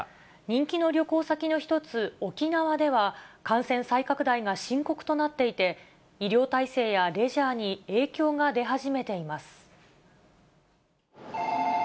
人気の旅行先の一つ、沖縄では、感染再拡大が深刻となっていて、医療体制やレジャーに影響が出始めています。